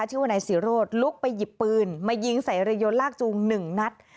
ชื่อว่านายศิโรธลุกไปหยิบปืนมายิงใส่เรือยนลากจูงหนึ่งนัด